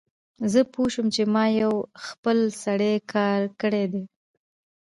زه پوه شوم چې ما یو خپل سری کار کړی دی